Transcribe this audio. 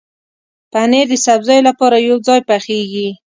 پنېر د سبزیو سره یوځای پخېږي.